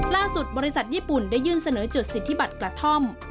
บริษัทญี่ปุ่นได้ยื่นเสนอจดสิทธิบัตรกระท่อม